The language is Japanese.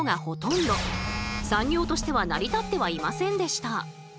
産業としては成り立ってはいませんでした。